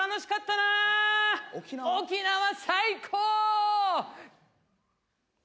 沖縄最高！